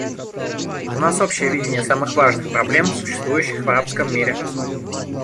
У нас общее видение самых важных проблем, существующих в арабском мире.